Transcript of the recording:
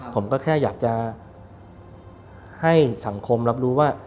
ผมก็แค่อยากจะให้สังคมรับรู้ว่า